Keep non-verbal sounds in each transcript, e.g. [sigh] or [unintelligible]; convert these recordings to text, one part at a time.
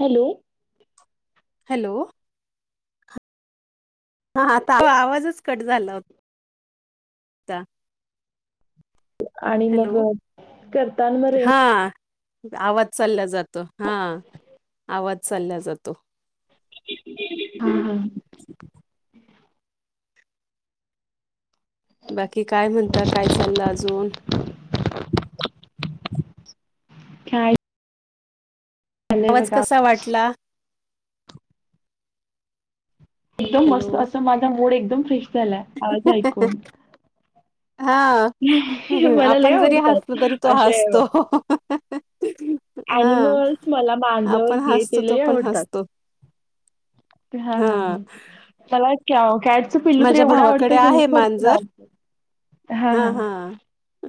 Hello. Hello. हा, आता आवाजच कट झाला होता. आणि हॅलो मग करताना म रे हा आवाज चालल्या जातो हा, आवाज चालल्या जातो. हा, हा. बाकी काय म्हणता, काय चाललं अजून? काय? झालंय आवाज बघा कसा वाटला? एकदम हॅलो मस्त असं माझा मूड एकदम फ्रेश झालाय, आवाज ऐकून. हा. मला लई आपण जरी हसलो आवडतात तरी तो अशे हसतो आवाज. हा अनिमल्स, मला मांजर आपण हे हसतो ते तो लई पण आवडतात. हसतो हा, हा, हा, मला काऊ, कॅट. पिल्लू तर माझ्या एवढं भावाकडे आवडतंय कणी आहे भरपूर मांजर आवडतंय. हा, हा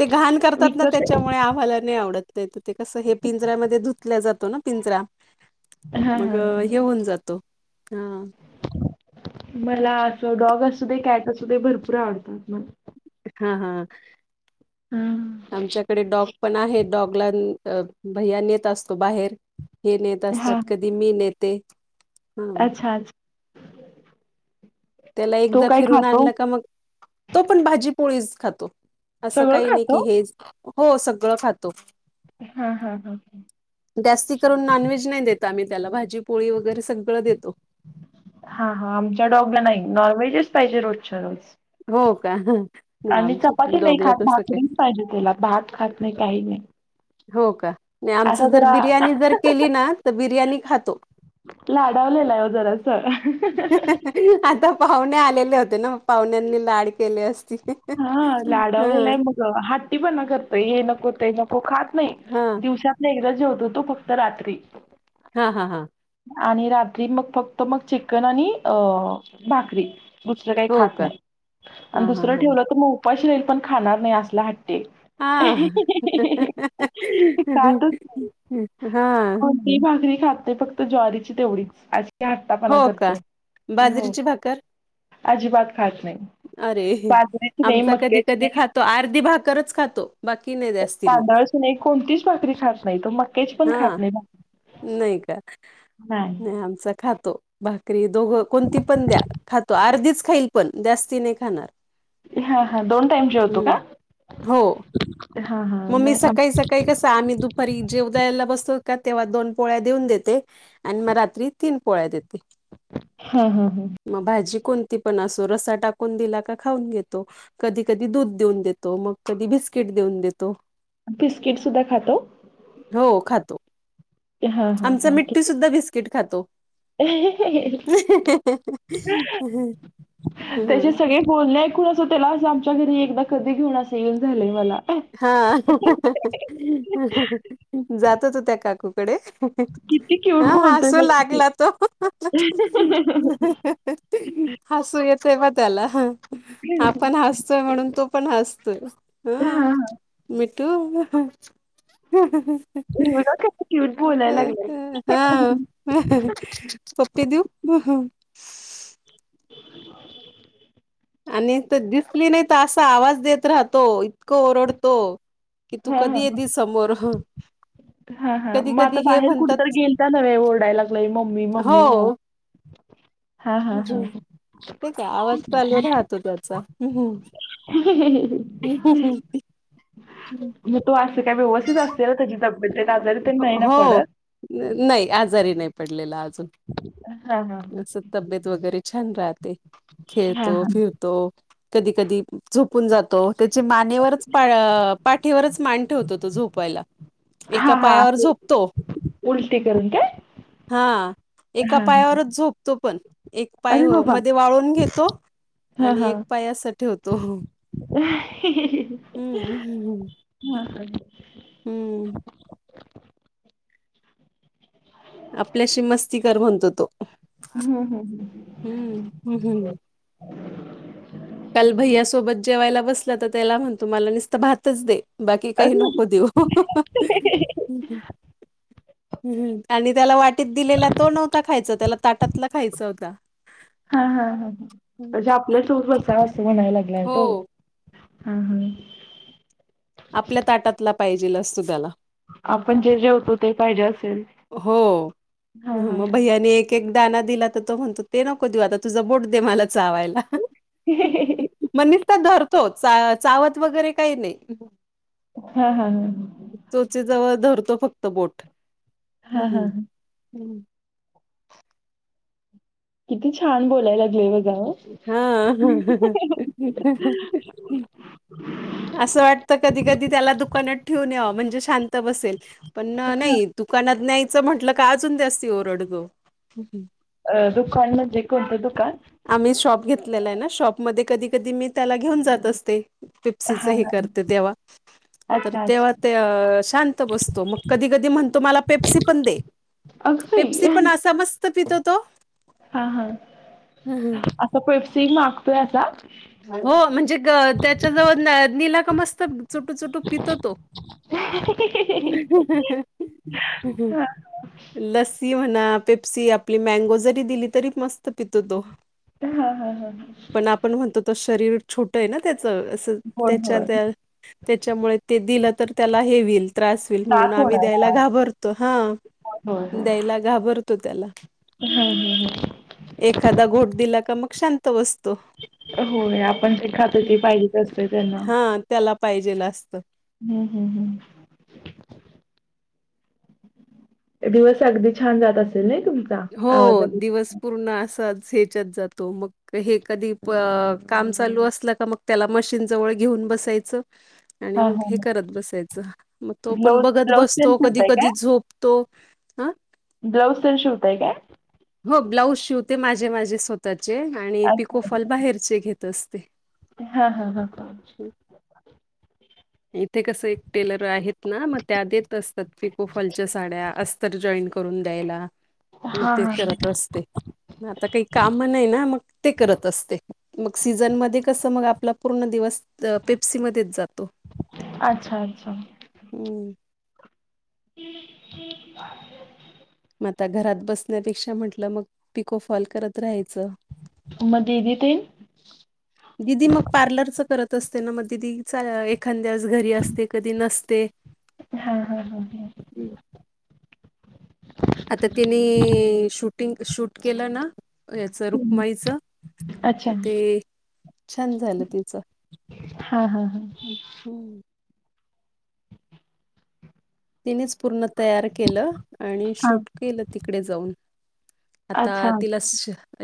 ते घाण करतात ना, विकत त्याच्यामुळे आम्हाला नाही आवडत ते कस हे पिजरा मध्ये धुतल्या जातो ना पिंजरा हा मग हा हा. हे होऊन जातो. हा. मला अस डॉग असू दे, कॅट असू दे भरपूर आवडतात मग. हा, हा आमच्याकडे डॉग पण आहे डॉगला अ, भैया नेत असतो बाहेर, हे नेत हा असतात, हा कधी मी नेते. हा अच्छा. अच् त्याला तो एकदा काय फिरून खातो आणला का मग, तो पण भाजी पोळीच खातो. असं सगळं काही नाही की खातो हेच, हो सगळं खातो. हा, हा, हा. जास्ती करून नॉन-व्हेज नाही देत आम्ही त्याला, भाजी- पोळी वगैरे सगळं देतो. हा, हा आमच्या डॉगला नाही, नॉन- व्हेजच पाहिजे रोजच्या रोज. हो का, नाही आणि आमच्या चपाती नाही डॉगला खात, तस काय. भाकरीच पाहिजे त्येला भात खात नाही, काही नाही. हो का नाही आमच असा जर जरा बिर्याणी जर केली ना, तर बिर्याणी खातो. लाडावलेला हो जरास. आता पाहुणे आलेले होते ना, पाहुण्यांनी लाड केले असतील हा हा लाडवलेला हाय, मग हट्टी पणा करतय, हे नको ते नको खात नाही. हा. दिवसातन एकदा जेवतो तो फक्त रात्री.. हा, हा, हा. आणि रात्री मग फक्त मग चिकन आणि अ भाकरी दुसरं काही हो खात का नाही हा आणि हा दुसरं हा ठेवलं तर मग उपाशी राईल पण खाणार नाही. असल हट्टी हाय. [unintelligible] ही भाकरी खात नाही, फक्त ज्वारीची तेवढीच. आज. किती हट्टपणा हो का करतोय हो. बाजरीची भाकर अजिबात खात नाही बाजरी अरे बाजरीची नाही, आमचा कधी मक्याची कधी नाही, खातो अर्धी भाकरच खातो बाकी नाही जास्ती मग तांदळाची नाही, कोणतीच भाकरी खात नाही तो मक्याची पण हा खात नाही ना. नाही का? नाही. आमचा खातो भाकरी दोघं कोणती पण द्या. खातो, अर्धीच खाईल पण जास्ती नाही खाणार. हा हा दोन टाईम जेवतो हम्म का? हो हा हा मग मी नाही आम सकाळी-सकाळी कस, आम्ही दुपारी जेवद्या यायला बसतो का तेव्हा दोन पोळ्या देऊन देते आणि मग रात्री तीन पोळ्या देते. हम्म. हम्म. हम्म. मग भाजी कोणती पण असो, रस्सा टाकून दिला का खाऊन घेतो. कधी-कधी दूध देऊन देतो, मग कधी बिस्किट देऊन देतो. बिस्किट सुद्धा खातो? हो खातो, हा हा आमचा हा मिट्टठी किती सुद्धा बिस्किट खातो. त्याचे ह सगळे बोलणे एकूण असं त्यालां, आमच्या घरी एकदा कधी घेऊन असं येऊन झालंय मला. हा जातो त्या काकूकडे. किती क्यूट हा ह बोलतोय असू बघा की. लागला तो. हसू येते मग तेला. आपण हसतोय म्हणून, तो पण हसतोय हा हं. हा मिठू. हे बघा कस क्यूट बोलायला लागलं. हा पप्पी देऊ ह ह. [inaudible] आणि तर दिसली नाही तर, असा आवाज देत राहतो इतकं ओरडतो. कि तू हां, कधी येेतिस समोर. हा, हा, कधी मग कधी आता हे बाहेर कुठ तरी म्हणतात गेलता नव्हे ओरडाय लाग मम्मी-मम्मी म्हणून. हां, हां, हां, हां. हे का आवज [inaudible] राहतो त्याचा. ह हो [inaudible] म तू अस असत्या काय तुझी तब्येत त्यात आजारी तर नाही ना हो, पडत? नाही आजारी नाही पडलेला अजून. हां, हां, हां. अस तब्येत वगैरे छान राहते, हां, खेळतो हां. फिरतो. तो कधी-कधी. झोपून जातो, त्याचे मानेवरच पाठीवरच मान ठेवतो तो झोपयला. एका हां, हां. पायावर असं झोपतो. उलटी करून काय? हा एका हां, हां. पायावरच झोपतो पण. एक पाय अरे हो, बाबा! मध्ये वाळून घेतो. हां, आणि हां. एक पाय अस ठेवतो. ह हम्म [unintelligible] हम्म. आपल्याशी मस्ती कर म्हणतो तो. हम् हम ह. हम्म हम्म हम् काल भैया सोबत जेवायला बसलं तर त्याला म्हणतो मला नुसत भातच दे. बाकी काही अगं! नको देऊ. ह आणि त्याला वाटीत दिलेला तो नव्हता खायचा त्याला ताटातला खायचा होता. ह. हा हा हा म्हणजे आपल्या सोबत बसा असं म्हणायला लागलाय हो तो. हा हा. आपल्या ताटातला पाहिजेल असतो त्याला. आपण जे जेवतो ते पाहिजे असेल. हो हां, हां, मग भैयाने एक - एक दाणा दिला तर तो म्हणतो ते नको देऊ आता तुझा बोट दे मला चावायला. ह. म नुसता धरतो चावत वगैरे काही नाही. हा हा हा ह. चोचेजवळ धरतो फक्त बोट ह् हां, हां, हां. ह्. किती छान बोलायला लागले बघ. हा. असं वाटतं कधी कधी त्याला दुकानात ठेऊून यावं म्हणजे शांत बसेल पण नाही. दुकानात न्यायचं म्हटलं का अजून जास्ती ओरडतो. अ दुकान म्हणजे कोणतं दुकान? आम्ही शॉप घेतलेला आहे ना शॉपमध्ये कधी - कधी मी त्याला घेऊन जात असते. पिप्सीच हां, हे हां. करते तेव्हा - तर अच्छा, तेव्हा अच्छा. ते शांत बसतो मग कधी कधी म्हणतो मला पेप्सी पण दे. अगं पेप्सी बाई! पण असा मस्त पितो तो. हा हा. हम हं. पेपसी मागतोय असा. हो म्हणजे ग त्याच्या जवळ निलाग मस्त चुटू चुटू पितो तो. हं हं. ह् लसी म्हणा पेप्सी आपली मँगो जरी दिली तरी मस्त पितो तो. हा हा हा ह पण आपण म्हणतो त शरीर छोट आहे ना त्याच असं होय, त्याच्या होय. त्या - त्याच्यामुळे ते दिलं तर त्याला हे होईल त्रास होईल म्हणून आम्ही होणार द्यायला त्रास. घाबरतो हा. होय, द्यायला घाबरतो त्याला. हा हा हा. एखादा घोट दिला का मग शांत बसतो. होय आपण जे खातो हं. ती पाहिजेच असते त्यांना. हां त्याला पाहिजेला असतं. हम् हम् हम. दिवस अगदी छान जात असेल ना तुमचा हो, आवाजानी. दिवस पूर्ण असाच ह्याच्यात जातो मग. हे कधी काम चालू असलं का मग त्याला मशीन जवळ घेऊन बसायचं. आणि हां, मग हां, हे हां. करत बसायचं, मग तो पण ब्लाऊज बघत ब्लाऊज तेन बसतो कधी शिवताय कधी काय? झोपतो हां, ब्लाऊज तेन शिवताय काय हो ब्लाऊज शिवते माझे माझे स्वतःचे आणि पिको अच्छा. फॉल बाहेरचे घेत असते हा हा हा हं, इथे कसं एक टेलर आहेत ना मग त्या देत असतात पिको फॉलच्या साड्या अस्तर जॉईंट करून द्यायला, मग हा ते हा करत असते आता काही कामं नाही ना मग ते करत असते मग सीझन मध्ये कसं मग आपला पूर्ण दिवस पेप्सीमध्येच जातो अच्छा अच्छा हम्म [unintelligible] मग आता घरात बसण्यापेक्षा म्हंटलं मग पिकोफॉल करत राहायचं मग दीदी तेन दिदी मग पार्लरच करत असते ना मग दिदीच एखांद्या घरी असते कधी नसते हा हा हम्म. हा आता त्यांनी शूटिंग शूट केलं ना याचं रुक्माईच अच्छा तर ते छान झालं तिचं हा हा हा हम्म. तिनेच पूर्ण तयार केलं आणि हा शूट केलं तिकडे जाऊन आता अच्छा तिला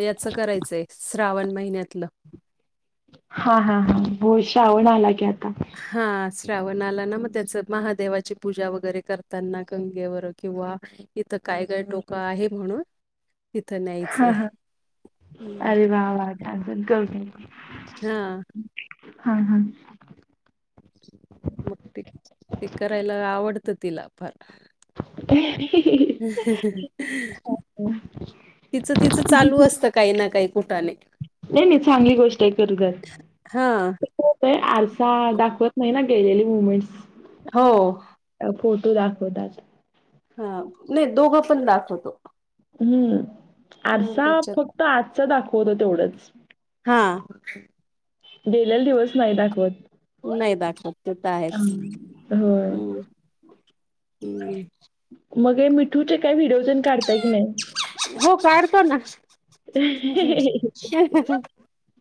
याचं करायचंय श्रावण महिन्यातलं हा हा हा होय श्रावण आला की आता हा श्रावण आला ना मग त्याचं महादेवाची पूजा वगैरे करताना गंगेवर किंवा इथं काय काय टोक आहे म्हणून तिथं हा न्यायचंय हा हं, अरे वा वा छान हां. [unintelligible] हा हा मग ते ते करायला आवडतं तिला फार ह ह हम तिचं तिचं चालू असतं काही ना काही कुटानें नाही नाही चांगली गोष्ट आहे करू द्यात. हां, हो तर आरसा दाखवत नाही ना गेलेली मोमेंट्स हो फोटो दाखवतात. हा नाही दोघं पण दाखवतो हं हां, आरसा त्याच्यात फक्त आजचा दाखवतो तेवढंच हा गेल्याल दिवस नाहीत दाखवत. नाही दाखवत ते तर आहेच होय हं हं मग मिठूचे काय व्हिडिओ तेन काढताय की नाही? हो काढतो ना हं हं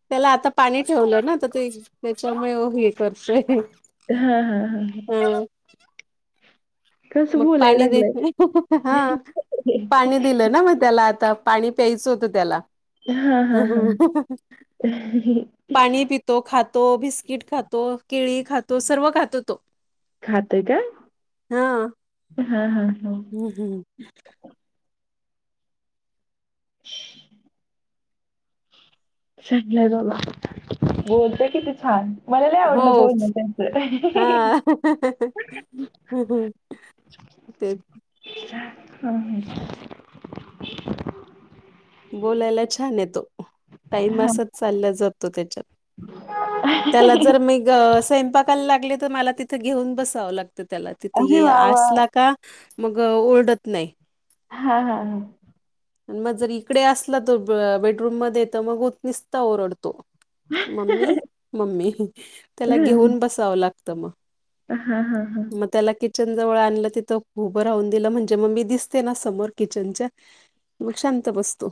त्याला आता पाणी ठेवलं ना, तर ते त्याच्यामुळे हे करतोय. हं हं हं हं ह [inaudible] कसं मग बोलाय पाणी दे लागलाय? हा, पाणी दिलं ना मग त्याला आता पाणी प्यायचं होतं. त्याला हां, हां, हां. पाणी तो खातो. बिस्किट खातो, केळी खातो, सर्व खातो तो. खातय काय? हं हं हं. हं हं. [unintelligible] चागलंय बाबा बोलतय किती छान. मला नाही हो आवडलं बोलणं त्यांचं. हा ते हं हं. बोलायला छान आहे तो टाईम हां. आसंच चालला जातो त्याच्यात. त्याला जर मी ग स्वयंपाक करायला लागले तर मला तिथे घेऊन बसावं लागतं त्याला तिथे अरे ये वाह! वाह! असला का मग ओरडत नाही. हा हा हा. आणि मग जर इकडे असला तो बेडरूम मध्ये तर मग होत निसता ओरडतो. मम्मी मम्मी त्याला घेऊन बसावं लागतं मग. हा हा हा. मग त्याला किचन जवळ आणलं तिथं उभं राहून दिलं म्हणजे मग मी दिसते ना समोर किचनच्या मग शांत बसतो.